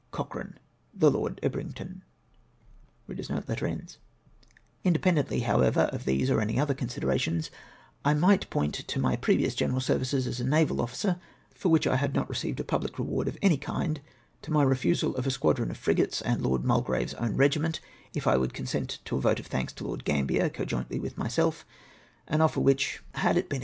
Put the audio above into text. Cochrane. " The Lord Ebrington." Lidepeiidently, however, of tliese or any other consi derations, I might point to my previous general services as a naval officer, for which I had not received public reward of any kind ;— to my refusal of a squadron of frigates, and Lord Mulgrave's own regiment, if I would consent to a vote of thanks to Lord Gambier con jointly with myself, — an offer which, liad it been THE IMPEOBABILITY OF .AIY GUILT.